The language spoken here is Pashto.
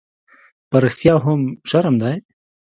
_په رښتيا هم، شرم دی؟